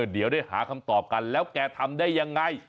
เดี๋ยวได้หาคำตอบกันแล้วแกทำได้ยังไง